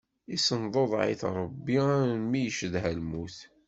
Issenḍuḍeɛ-it Ṛebbi armi iccedha lmut.